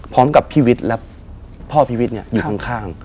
พร้อมกับพี่วิทย์และพ่อพี่วิทย์อยู่ข้าง